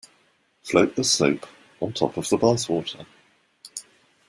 Float the soap on top of the bath water.